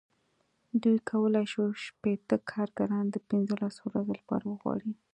دوی کولای شول شپېته کارګران د پنځلسو ورځو لپاره وغواړي.